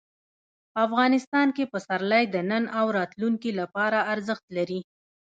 افغانستان کې پسرلی د نن او راتلونکي لپاره ارزښت لري.